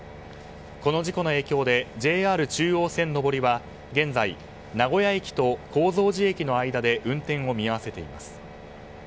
この事故の影響でＪＲ中央線上りは現在、名古屋駅と高蔵寺駅の間で運転を見合わせています。